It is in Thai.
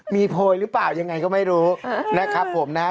มีโพยหรือเปล่ายังไงก็ไม่รู้นะครับผมนะฮะ